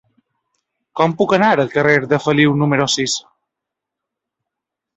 Com puc anar al carrer de Feliu número sis?